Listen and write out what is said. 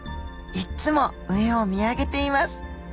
いっつも上を見上げています。